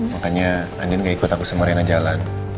makanya andin gak ikut aku sama rena jalan